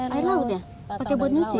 air laut ya pakai buat nyuci